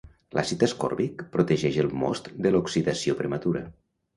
L'àcid ascòrbic protegeix el most de l'oxidació prematura.